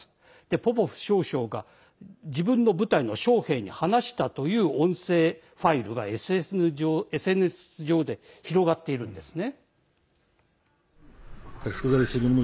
ポポフ少将が自分の部隊の将兵に話したという音声ファイルがＳＮＳ上で広がっているんですね。